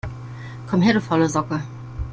Komm her, du faule Socke!